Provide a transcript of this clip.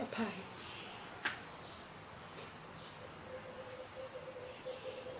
แล้วบอกว่าไม่รู้นะ